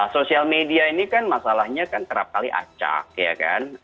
sosial media ini kan masalahnya kan kerap kali acak ya kan